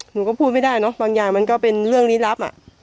หนูก็พูดไม่ได้เนอะบางอย่างมันก็เป็นเรื่องลี้ลับอ่ะ